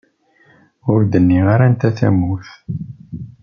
Ur d-nniɣ ara anta tamurt.